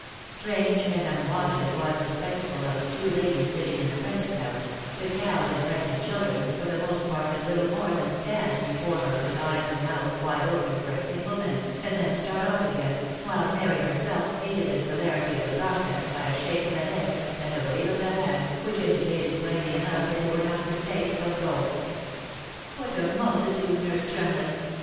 Strange and unwonted as was the spectacle of " two ladies sitting in the 'prentice house," the cowed and frightened children, for the most part did little more than stand before her with eyes and mouth wide open for a single minute, and then start off again, while Mary herself aided the celerity of the process by a shake of the head, and a wave of the hand, which indicated plainly enough that they were not to stay, but go. " What a multitude, nurse Tremlett